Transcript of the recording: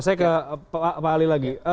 saya ke pak ali lagi